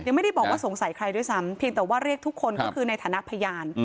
ไม่ได้บอกว่าสงสัยใครด้วยซ้ำเพียงแต่ว่าเรียกทุกคนก็คือในฐานะพยาน